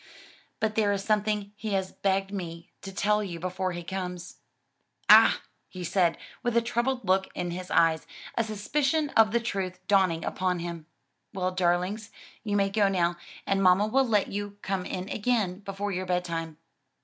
But there is something he has begged me to tell you before he comes." "Ah!" he said with a troubled look in his eyes, a suspicion of the truth dawning upon him. "Well, darlings, you may go now, and mamma will let you come in again before your bedtime."